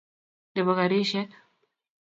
Nebo garisyek.